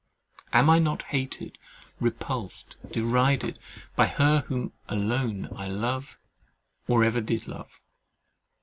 Am I not hated, repulsed, derided by her whom alone I love or ever did love?